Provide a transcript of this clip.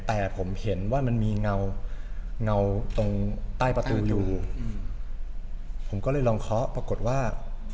แต่ผมเห็นว่ามันมีเงาเงาตรงใต้ประตูอยู่ผมก็เลยลองเคาะปรากฏว่า